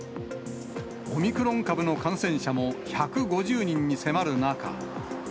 オミクロン株の感染者も１５０人に迫る中。